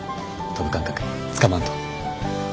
飛ぶ感覚つかまんと。